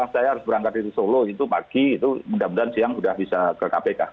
saya harus berangkat dari solo itu pagi itu mudah mudahan siang sudah bisa ke kpk